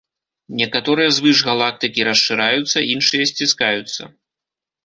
Некаторыя звышгалактыкі расшыраюцца, іншыя сціскаюцца.